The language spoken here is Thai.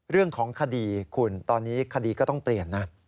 เรื่องของคดีคุณตอนนี้คดีก็ต้องเปลี่ยนนะ